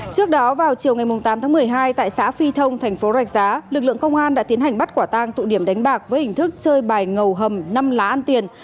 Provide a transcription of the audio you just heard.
trước đó vào chiều ngày tám tháng một mươi hai tại xã phi thông thành phố rạch giá lực lượng công an đã tiến hành bắt quả tang tụ điểm đánh bạc với hình thức chơi bài ngầu hầm năm lá ăn tiền